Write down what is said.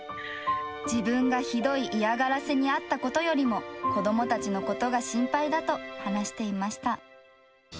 自分がひどい嫌がらせに遭ったことよりも、子どもたちのことが心配だと話していました。